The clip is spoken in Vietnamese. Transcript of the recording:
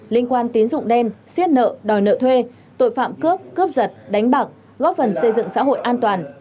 liên quan tín dụng đen xiết nợ đòi nợ thuê tội phạm cướp cướp giật đánh bạc góp phần xây dựng xã hội an toàn